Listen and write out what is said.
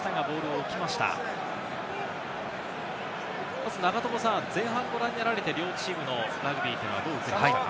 まず、前半ご覧になられて、両チームのラグビーというのは、どう映りましたか？